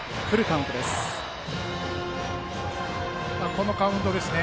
このカウントですね。